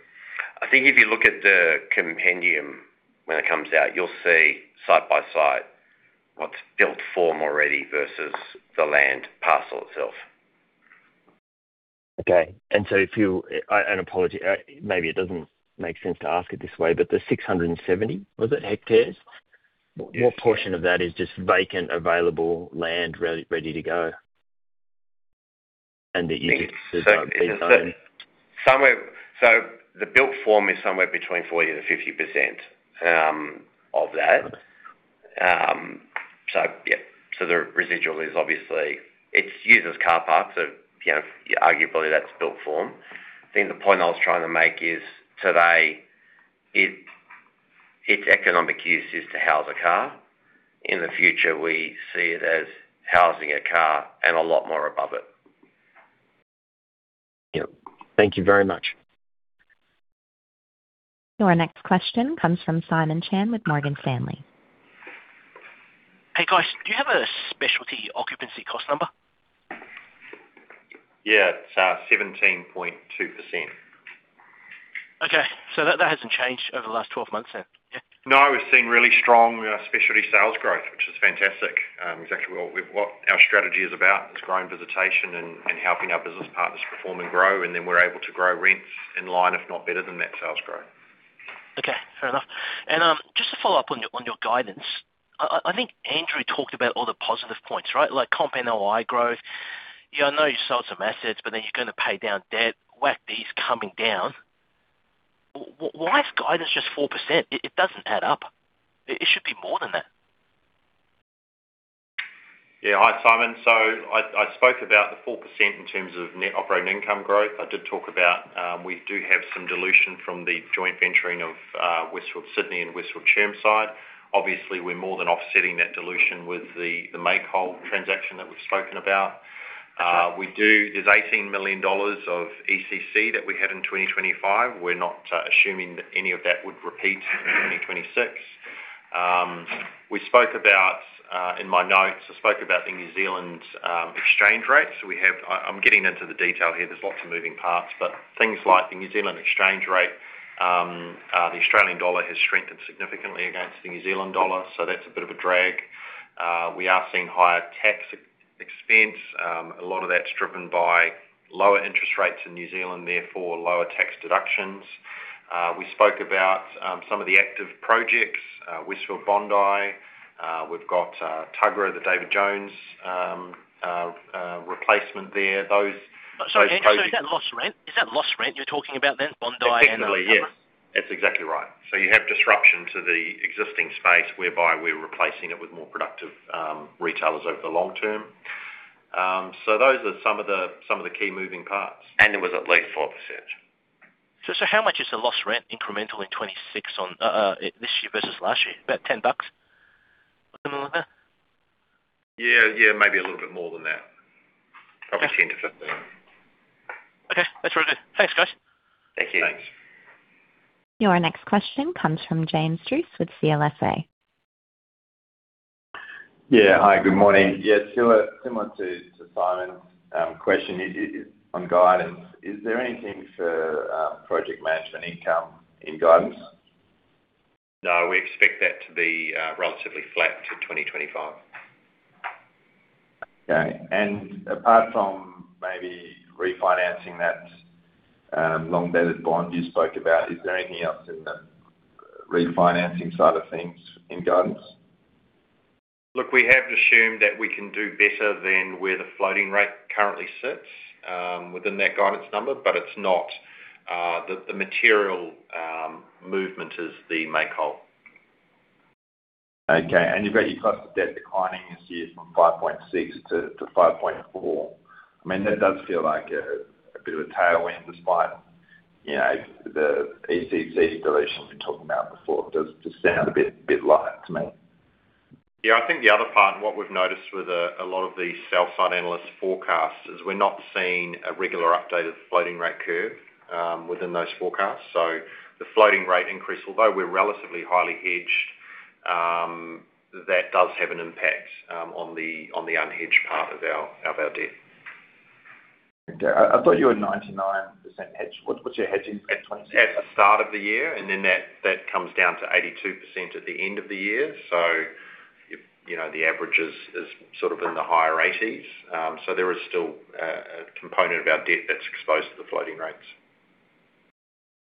I think if you look at the compendium when it comes out, you'll see site by site what's built form already versus the land parcel itself. Okay. If you... I, and apology, maybe it doesn't make sense to ask it this way, but the 670, was it hectares? Yes. What portion of that is just vacant, available land ready to go? That you just said. The built form is somewhere between 40%-50% of that. The residual is obviously, it's used as car parks, so, you know, arguably, that's built form. I think the point I was trying to make is, today, it, its economic use is to house a car. In the future, we see it as housing a car and a lot more above it. Yep. Thank you very much. Your next question comes from Simon Chan with Morgan Stanley. Hey, guys. Do you have a specialty occupancy cost number? Yeah. It's 17.2%. Okay. That hasn't changed over the last 12 months then? No, we've seen really strong, specialty sales growth, which is fantastic. Exactly what, with what our strategy is about, is growing visitation and, and helping our business partners perform and grow, and then we're able to grow rents in line, if not better than net sales growth. Okay, fair enough. Just to follow up on your, on your guidance. I, I, I think Andrew talked about all the positive points, right? Like comp NOI growth. Yeah, I know you sold some assets, but then you're gonna pay down debt. WACD is coming down. Why is guidance just 4%? It, it doesn't add up. It, it should be more than that. Yeah. Hi, Simon. I, I spoke about the 4% in terms of net operating income growth. I did talk about, we do have some dilution from the joint venturing of Westfield Sydney and Westfield Chermside. Obviously, we're more than offsetting that dilution with the make-whole transaction that we've spoken about. There's 18 million dollars of ECC that we had in 2025. We're not assuming that any of that would repeat in 2026. We spoke about, in my notes, I spoke about the New Zealand exchange rate. I, I'm getting into the detail here. There's lots of moving parts, but things like the New Zealand exchange rate, the Australian dollar has strengthened significantly against the New Zealand dollar, that's a bit of a drag. We are seeing higher tax expense. A lot of that's driven by lower interest rates in New Zealand, therefore lower tax deductions. We spoke about some of the active projects, Westfield Bondi. We've got Tuggerah, the David Jones replacement there. Sorry, is that loss rent? Is that loss rent you're talking about then, Bondi and? Effectively, yes. That's exactly right. You have disruption to the existing space, whereby we're replacing it with more productive retailers over the long term. Those are some of the, some of the key moving parts. it was at least 4%. How much is the lost rent incrementally in 26 on this year versus last year? About 10 bucks? Something like that. Yeah, yeah, maybe a little bit more than that. Okay. Probably 10 to 15. Okay, that's really good. Thanks, guys. Thank you. Thanks. Your next question comes from James Druce with CLSA. Yeah. Hi, good morning. Yeah, similar, similar to, to Simon. Question is, is on guidance. Is there anything for project management income in guidance? No, we expect that to be relatively flat to 2025. Okay. Apart from maybe refinancing that, long-dated bond you spoke about, is there anything else in the refinancing side of things in guidance? Look, we have assumed that we can do better than where the floating rate currently sits, within that guidance number, but it's not, the, the material, movement is the make-whole. Okay. You've got your cost of debt declining this year from 5.6% to 5.4%. I mean, that does feel like a bit of a tailwind, despite, you know, the ECC dilution we've been talking about before. Does just sound a bit, bit light to me. Yeah, I think the other part, and what we've noticed with a lot of the sell-side analyst forecasts, is we're not seeing a regular updated floating rate curve, within those forecasts. The floating rate increase, although we're relatively highly hedged, that does have an impact, on the, on the unhedged part of our, of our debt. Okay. I thought you were 99% hedged. What's your hedging at 26? At the start of the year, and then that, that comes down to 82% at the end of the year. You know, the average is, is sort of in the higher eighties. There is still a, a component of our debt that's exposed to the floating rates.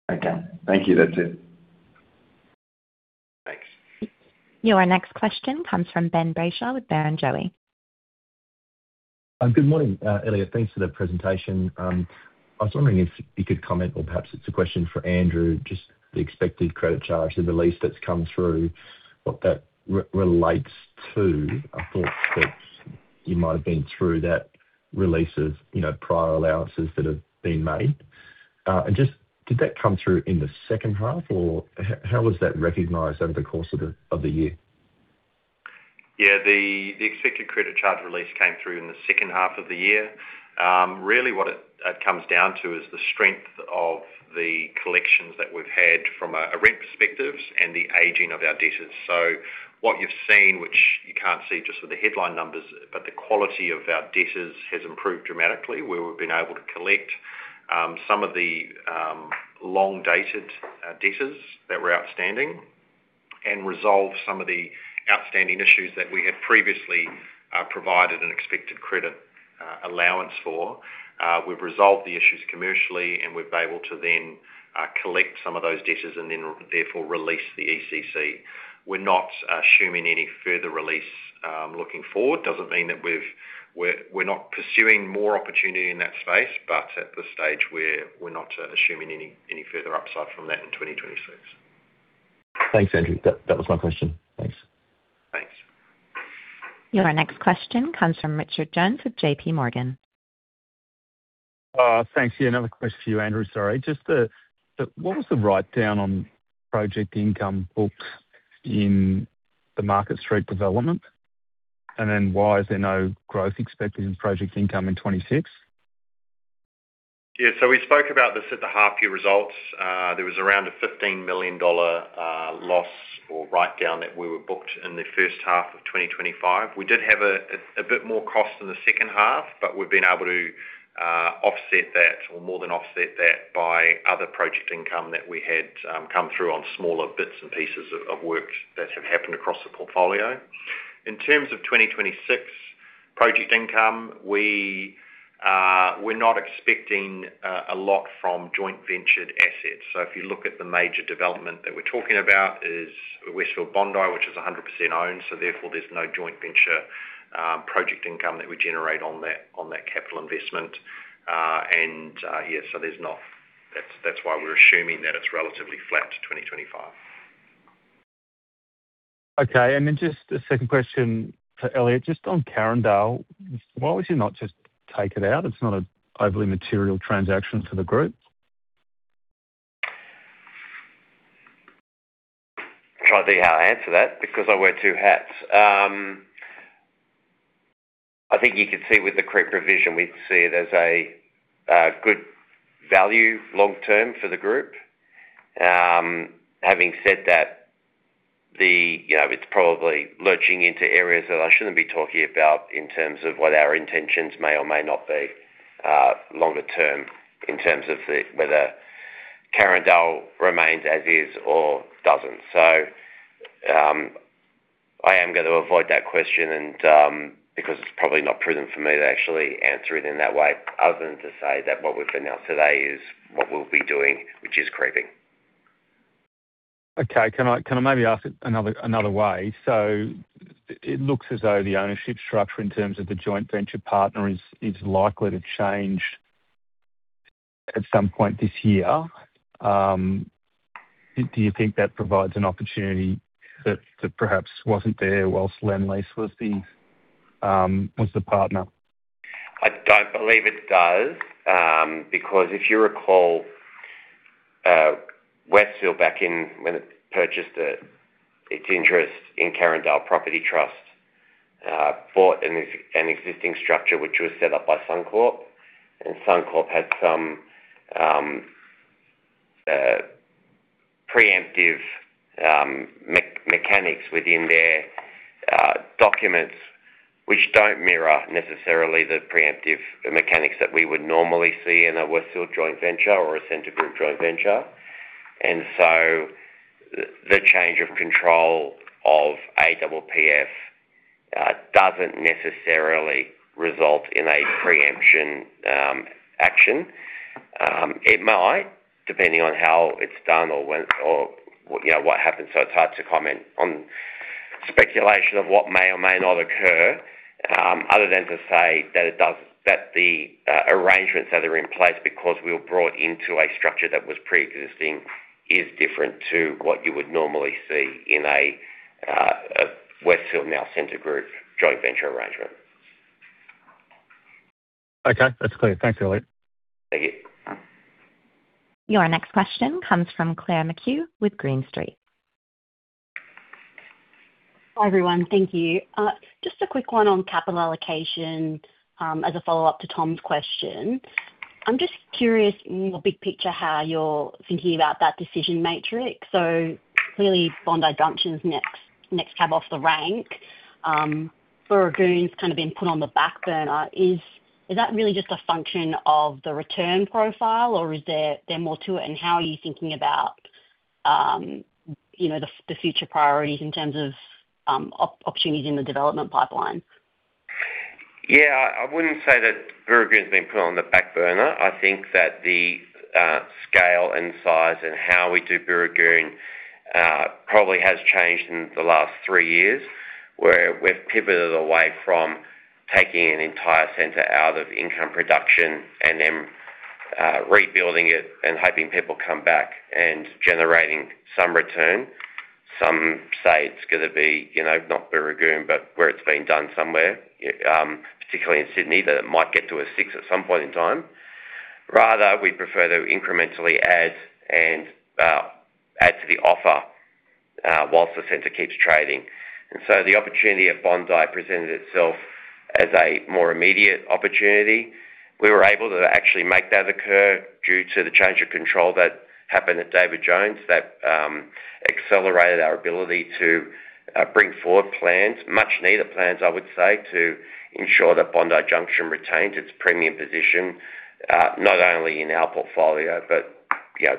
Okay. Thank you. That's it. Thanks. Your next question comes from Ben Brayshaw with Barrenjoey. Good morning, Elliot. Thanks for the presentation. I was wondering if you could comment, or perhaps it's a question for Andrew, just the expected credit loss, the release that's come through, what that relates to. I thought that you might have been through that release of, you know, prior allowances that have been made. Did that come through in the second half, or how was that recognized over the course of the year? Yeah, the expected credit loss release came through in the second half of the year. Really what it comes down to is the strength of the collections that we've had from a rent perspective and the aging of our debtors. What you've seen, which you can't see just with the headline numbers, but the quality of our debtors has improved dramatically, where we've been able to collect some of the long-dated debtors that were outstanding and resolve some of the outstanding issues that we had previously provided an Expected Credit allowance for. We've resolved the issues commercially, and we've been able to then collect some of those debtors and then therefore release the ECC. We're not assuming any further release looking forward. Doesn't mean that we're, we're not pursuing more opportunity in that space, but at this stage, we're, we're not assuming any, any further upside from that in 2026. Thanks, Andrew. That, that was my question. Thanks. Thanks. Your next question comes from Richard Jones with JPMorgan. Thanks. Yeah, another question for you, Andrew. Sorry. Just, what was the writedown on project income booked in the Market Street development? Why is there no growth expected in project income in 2026? Yeah, we spoke about this at the half-year results. There was around an 15 million dollar loss or writedown that we were booked in the first half of 2025. We did have a bit more cost in the second half, but we've been able to offset that or more than offset that by other project income that we had come through on smaller bits and pieces of work that have happened across the portfolio. In terms of 2026 project income, we're not expecting a lot from joint ventured assets. If you look at the major development that we're talking about is Westfield Bondi, which is 100% owned, so therefore, there's no joint venture project income that we generate on that, on that capital investment. There's not... That's, that's why we're assuming that it's relatively flat to 2025. Okay, then just a second question for Elliott. Just on Carindale, why would you not just take it out? It's not an overly material transaction to the group. Try to think how I answer that, because I wear two hats. I think you can see with the creep provision, we'd see it as a, a good value long term for the group. Having said that, you know, it's probably lurching into areas that I shouldn't be talking about in terms of what our intentions may or may not be longer term, in terms of whether Carindale remains as is or doesn't. I am going to avoid that question, because it's probably not prudent for me to actually answer it in that way, other than to say that what we've announced today is what we'll be doing, which is creeping. Okay. Can I, can I maybe ask it another, another way? It looks as though the ownership structure in terms of the joint venture partner is, is likely to change.... at some point this year. Do, do you think that provides an opportunity that, that perhaps wasn't there whilst Lendlease was the, was the partner? I don't believe it does. Because if you recall, Westfield back in when it purchased its interest in Carindale Property Trust, bought an existing structure, which was set up by Suncorp. Suncorp had some preemptive mechanics within their documents, which don't mirror necessarily the preemptive mechanics that we would normally see in a Westfield joint venture or a Scentre Group joint venture. The, the change of control of APPF doesn't necessarily result in a preemption action. It might, depending on how it's done or when or, you know, what happens, so it's hard to comment on speculation of what may or may not occur, other than to say that the arrangements that are in place because we were brought into a structure that was pre-existing, is different to what you would normally see in a, a Westfield, now Scentre Group, joint venture arrangement. Okay, that's clear. Thanks, Elliott. Thank you. Your next question comes from Claire McHugh with Green Street. Hi, everyone. Thank you. Just a quick one on capital allocation, as a follow-up to Tom's question. I'm just curious, more big picture, how you're thinking about that decision matrix. Clearly, Bondi Junction's next, next cab off the rank. Barangaroo kind of been put on the back burner. Is that really just a function of the return profile, or is there more to it? How are you thinking about, you know, the future priorities in terms of opportunities in the development pipeline? Yeah, I wouldn't say that Barangaroo has been put on the back burner. I think that the scale and size and how we do Barangaroo probably has changed in the last three years, where we've pivoted away from taking an entire center out of income production and then rebuilding it and hoping people come back and generating some return. Some say it's gonna be, you know, not Barangaroo, but where it's been done somewhere, particularly in Sydney, that it might get to a six at some point in time. Rather, we'd prefer to incrementally add and add to the offer whilst the center keeps trading. The opportunity at Bondi presented itself as a more immediate opportunity. We were able to actually make that occur due to the change of control that happened at David Jones. That accelerated our ability to bring forward plans, much-needed plans, I would say, to ensure that Bondi Junction retains its premium position, not only in our portfolio, but, you know,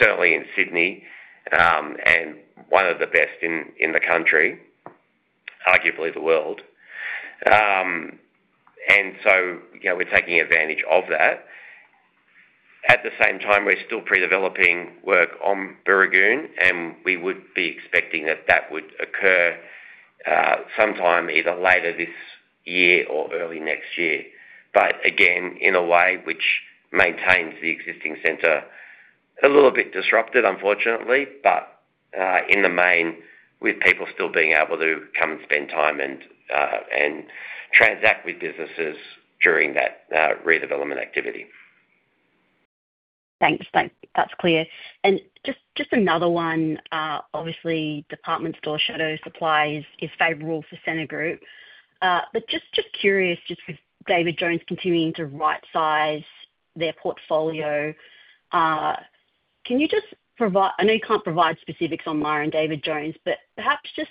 certainly in Sydney, and one of the best in, in the country, arguably the world. You know, we're taking advantage of that. At the same time, we're still pre-developing work on Barangaroo, and we would be expecting that that would occur sometime either later this year or early next year. Again, in a way which maintains the existing center a little bit disrupted, unfortunately, but in the main, with people still being able to come and spend time and transact with businesses during that redevelopment activity. Thanks. Thanks, that's clear. Just, just another one. Obviously, department store shadow supply is, is favorable for Scentre Group. Just, just curious, just with David Jones continuing to rightsize their portfolio, can you just I know you can't provide specifics on Myer and David Jones, but perhaps just,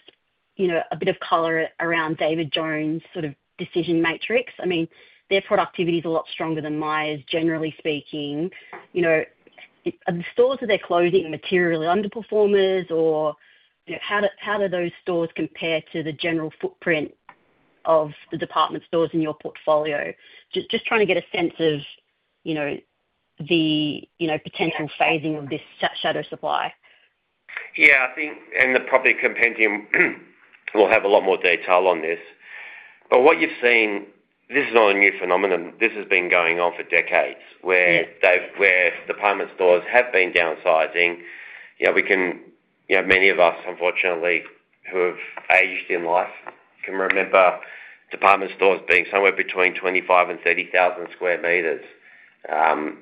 you know, a bit of color around David Jones' sort of decision matrix. I mean, their productivity is a lot stronger than Myer's, generally speaking. You know, are the stores of their clothing materially underperformers, or, you know, how do those stores compare to the general footprint of the department stores in your portfolio? Just, just trying to get a sense of, you know, the, you know, potential phasing of this shadow supply. Yeah, I think, the property compendium will have a lot more detail on this. What you've seen, this is not a new phenomenon. This has been going on for decades. Yeah... where department stores have been downsizing. You know, we can-- you know, many of us, unfortunately, who have aged in life, can remember department stores being somewhere between 25 and 30,000 square meters.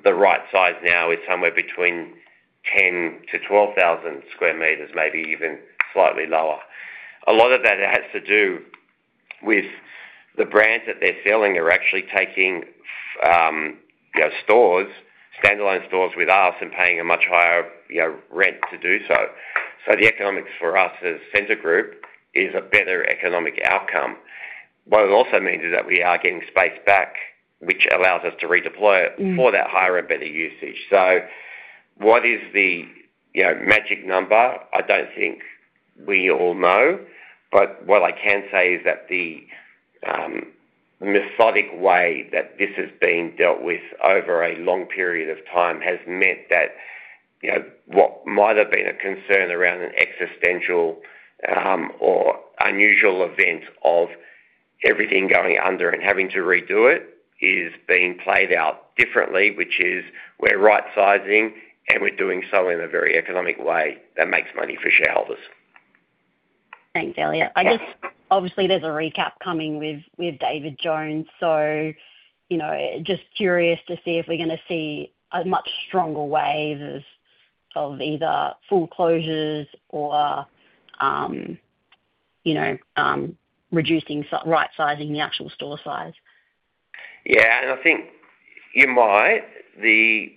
The right size now is somewhere between 10,000-12,000 square meters, maybe even slightly lower. A lot of that has to do with the brands that they're selling. They're actually taking, you know, stores, standalone stores with us and paying a much higher, you know, rent to do so. The economics for us as Scentre Group is a better economic outcome. What it also means is that we are getting space back, which allows us to redeploy it- Mm. -for that higher and better usage. What is the, you know, magic number? I don't think we all know, but what I can say is that the methodic way that this has been dealt with over a long period of time has meant that, you know, what might have been a concern around an existential or unusual event of everything going under and having to redo it, is being played out differently, which is we're right-sizing, and we're doing so in a very economic way that makes money for shareholders. Thanks, Elliott. Obviously, there's a recap coming with, with David Jones, you know, just curious to see if we're gonna see a much stronger wave of, of either full closures or, you know, right sizing the actual store size. Yeah, I think you might. The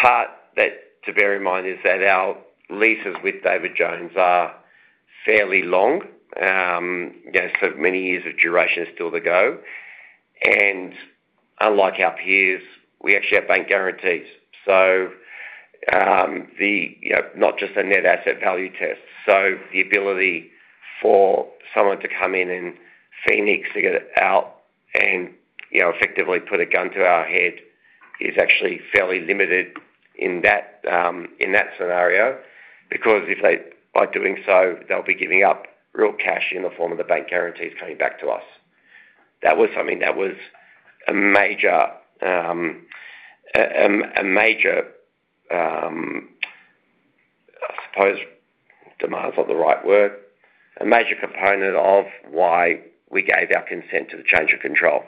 part that to bear in mind is that our leases with David Jones are fairly long, you know, so many years of duration is still to go. Unlike our peers, we actually have bank guarantees. The, you know, not just a net asset value test. The ability for someone to come in and Phoenix to get it out and, you know, effectively put a gun to our head, is actually fairly limited in that, in that scenario, because if they-- by doing so, they'll be giving up real cash in the form of the bank guarantees coming back to us. That was something that was a major, a major, I suppose, demand is not the right word. A major component of why we gave our consent to the change of control,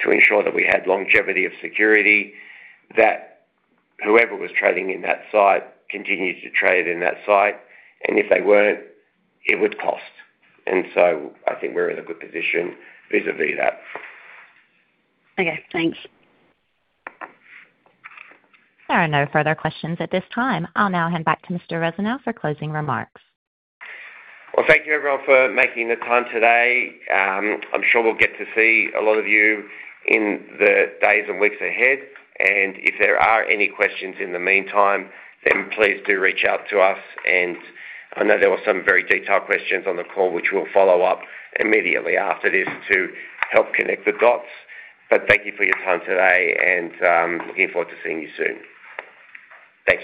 to ensure that we had longevity of security, that whoever was trading in that site continued to trade in that site, and if they weren't, it would cost. I think we're in a good position vis-a-vis that. Okay, thanks. There are no further questions at this time. I'll now hand back to Mr. Rusanow for closing remarks. Well, thank you, everyone, for making the time today. I'm sure we'll get to see a lot of you in the days and weeks ahead, and if there are any questions in the meantime, then please do reach out to us. I know there were some very detailed questions on the call, which we'll follow up immediately after this to help connect the dots. Thank you for your time today and looking forward to seeing you soon. Thank you.